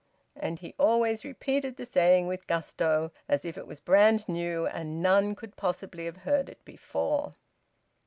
And he always repeated the saying with gusto, as if it was brand new and none could possibly have heard it before.